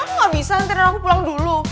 kamu gak bisa antri anak aku pulang dulu